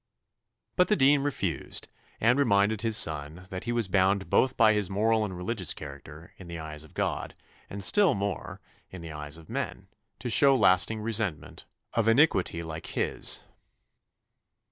But the dean refused, and reminded his son, "that he was bound both by his moral and religious character, in the eyes of God, and still more, in the eyes of men, to show lasting resentment of iniquity like his."